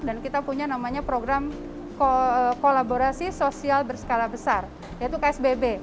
kita punya namanya program kolaborasi sosial berskala besar yaitu psbb